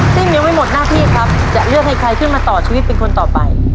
ซึ่งยังไม่หมดหน้าที่ครับจะเลือกให้ใครขึ้นมาต่อชีวิตเป็นคนต่อไป